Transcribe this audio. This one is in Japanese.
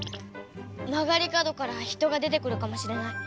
「まがりかどからひとがでてくるかもしれない。